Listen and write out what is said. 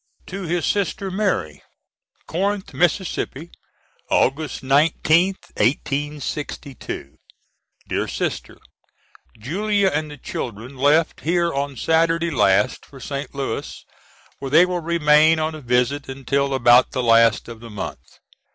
To his sister Mary.] Corinth, Mississippi, August 19th, 1862. DEAR SISTER: Julia and the children left here on Saturday last for St. Louis where they will remain on a visit until about the last of the month.